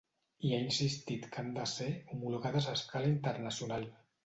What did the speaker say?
I ha insistit que han de ser ‘homologades a escala internacional’.